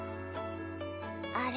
あれ？